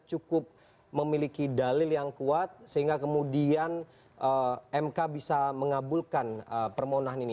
cukup memiliki dalil yang kuat sehingga kemudian mk bisa mengabulkan permohonan ini